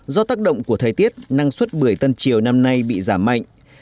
do tác động của thời tiết năng suất bưởi tân triều năm nay bị giảm mạnh